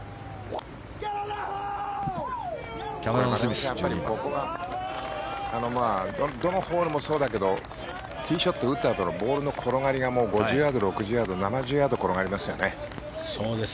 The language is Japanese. やっぱり、ここはどのホールもそうだけどティーショットを打ったあとのボールの転がりが５０ヤード、６０ヤード７０ヤード転がりますよね。